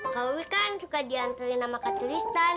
kak wih kan suka dianturin sama kak tristan